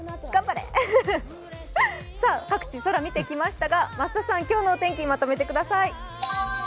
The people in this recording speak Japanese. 各地の空、見てきましたが、増田さん、今日のお天気まとめてください。